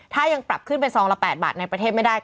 ถ้ายังปรับขึ้นเป็นซองละ๘บาทในประเทศไม่ได้